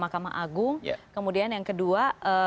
mahkamah agung kemudian yang kedua